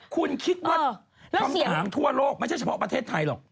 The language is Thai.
คุณคิดว่าคำถามทั่วโลกไม่ใช่เฉพาะประเทศไทยหรอก